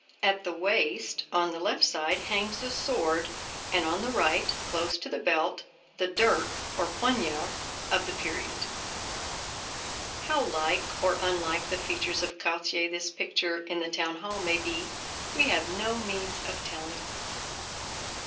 At the waist, on the left side, hangs a sword, and, on the right, close to the belt, the dirk or poniard of the period. How like or unlike the features of Cartier this picture in the town hall may be, we have no means of telling.